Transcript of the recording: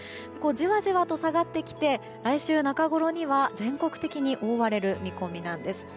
じわじわと下がってきて来週中ごろには全国的に覆われる見込みなんです。